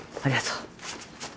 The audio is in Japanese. ありがとう。